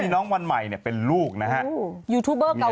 น้องวันใหม่เป็นลูกนะฮะทำไมเผื่อ